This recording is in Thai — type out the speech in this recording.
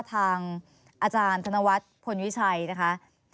อาจารย์ธนวัฒน์พลวิชัยนะคะ